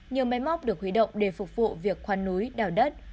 nhiều máy móc được huy động để phục vụ việc khoan núi đào đất